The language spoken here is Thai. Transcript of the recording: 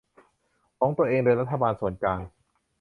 ของตัวเองโดยรัฐบาลส่วนกลาง